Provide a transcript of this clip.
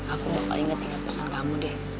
aku bakal inget inget pesan kamu deh